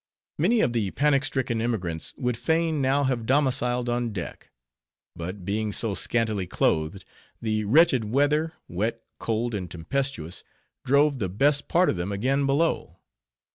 Many of the panic stricken emigrants would fain now have domiciled on deck; but being so scantily clothed, the wretched weather—wet, cold, and tempestuous—drove the best part of them again below.